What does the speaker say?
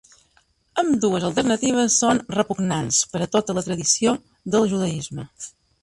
Ambdues alternatives són repugnants per a tota la tradició del judaisme.